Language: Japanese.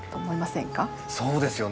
そうですよね。